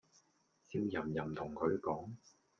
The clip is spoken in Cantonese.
笑淫淫同佢講